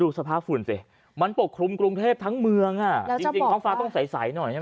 ดูสภาพฝุ่นสิมันปกคลุมกรุงเทพฯทั้งเมืองอ่ะต้องใสหน่อย